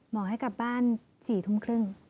ให้กลับบ้าน๔ทุ่มครึ่ง